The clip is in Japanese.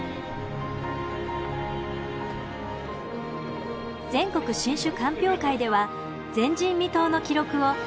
全国新酒鑑評会では前人未到の記録を打ち立てました。